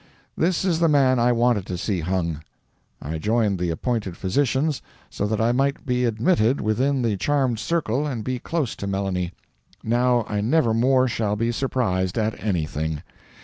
This is the man I wanted to see hung. I joined the appointed physicians, so that I might be admitted within the charmed circle and be close to Melanie. Now I never more shall be surprised at anything.